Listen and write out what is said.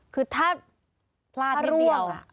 คือถ้าลาดนิดเดียว